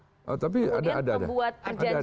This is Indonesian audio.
kemudian membuat perjanjian perjanjian